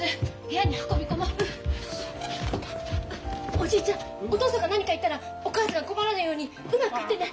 おじいちゃんお父さんが何か言ったらお母さんが困らないようにうまく言ってね。